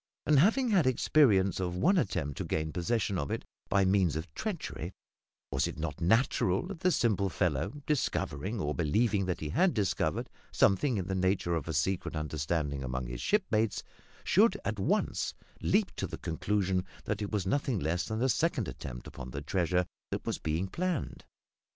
And, having had experience of one attempt to gain possession of it by means of treachery, was it not natural that the simple fellow, discovering, or believing that he had discovered, something in the nature of a secret understanding among his shipmates, should at once leap to the conclusion that it was nothing less than a second attempt upon the treasure that was being planned?